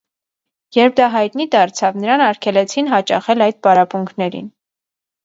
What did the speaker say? Երբ դա հայտնի դարձավ, նրան արգելեցին հաճախել այդ պարապմունքներին։